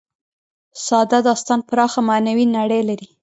ساده داستان پراخه معنوي نړۍ لري.